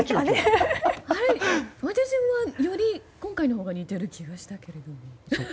私は、より今回のほうが似ている気がしたけども。